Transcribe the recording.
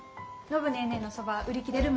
暢ネーネーのそば売り切れる